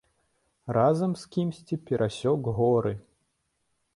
Разам з кімсьці перасек горы.